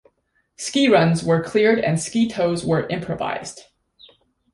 Ski runs were cleared and ski tows were improvised.